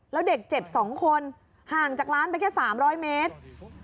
แล้วเด็กเจ็บ๒คนห่างจากร้านไปแค่๓๐๐เมตร